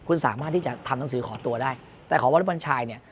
คุณสามารถที่จะทำหนังสือขอตัวได้แต่ของวอเล็กบอลชายเนี่ย